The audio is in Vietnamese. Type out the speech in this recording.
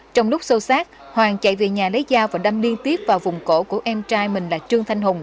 trong lúc sâu sát hoàng chạy về nhà lấy dao và đâm liên tiếp vào vùng cổ của em trai mình là trương thanh hùng